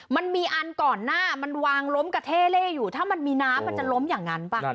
มันมีอันก่อนหน้ามันวางล้มกระเท่เล่อยู่ถ้ามันมีน้ำมันจะล้มอย่างนั้นป่ะ